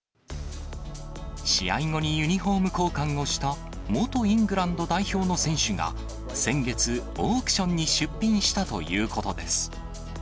試合後にユニホーム交換をした元イングランド代表の選手が先月、オークションに出品したということです。